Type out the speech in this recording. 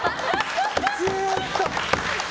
ずーっと。